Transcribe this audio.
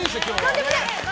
とんでもない。